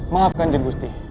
maafkan jeng gusti